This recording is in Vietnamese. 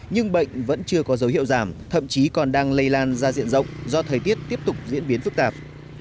nhưng bệnh vẫn chưa có dấu hiệu giảm thậm chí còn đang lây lan ra diện rộng do thời tiết tiếp tục diễn biến phức tạp